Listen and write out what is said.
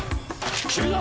君だ！